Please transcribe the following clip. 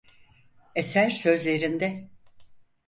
Eser sözlerinde…